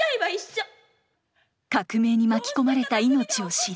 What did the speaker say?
革命に巻き込まれた命を知り。